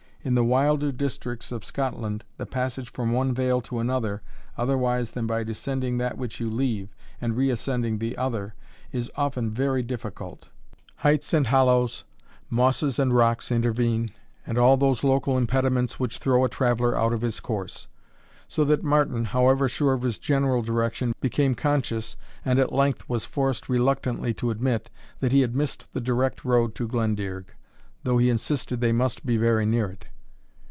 In the wilder districts of Scotland, the passage from one vale to another, otherwise than by descending that which you leave, and reascending the other, is often very difficult. Heights and hollows, mosses and rocks intervene, and all those local impediments which throw a traveller out of his course. So that Martin, however sure of his general direction, became conscious, and at length was forced reluctantly to admit, that he had missed the direct road to Glendearg, though he insisted they must be very near it.